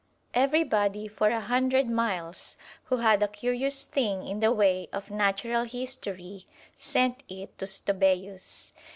Everybody for a hundred miles who had a curious thing in the way of natural history sent it to Stobæus.